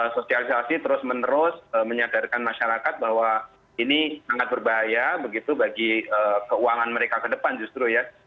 sosialisasi terus menerus menyadarkan masyarakat bahwa ini sangat berbahaya begitu bagi keuangan mereka ke depan justru ya